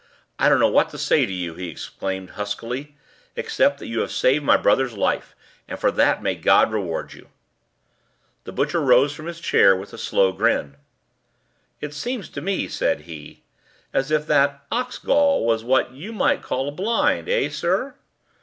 "I don't know what to say to you," he exclaimed huskily, "except that you have saved my brother's life, and for that may God reward you!" The butcher rose from his chair with a slow grin. "It seems to me," said he, "as if that ox gall was what you might call a blind, eh, sir?"